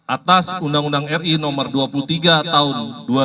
atas undang undang ri no dua puluh tiga tahun dua ribu dua